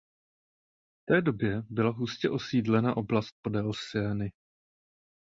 V té době byla hustě osídlena oblast podél Seiny.